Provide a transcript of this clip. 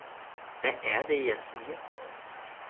Hvad er det jeg siger!